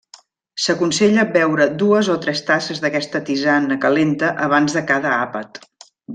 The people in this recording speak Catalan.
S'aconsella beure dues o tres tasses d'aquesta tisana calenta abans de cada àpat.